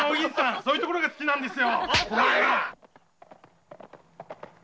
そういうところが好きなんです。